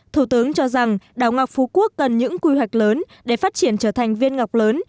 thủ tướng cho rằng đảo ngọc phú quốc cần những quy hoạch lớn để phát triển trở thành viên ngọc lớn